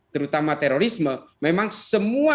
terutama terorisme memang semua